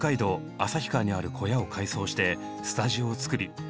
旭川にある小屋を改装してスタジオを造り